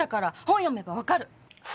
本読めばわかる！